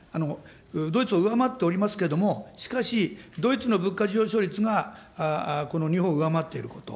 ドイツを上回っておりますけれども、しかし、ドイツの物価上昇率がこの日本を上回っていること。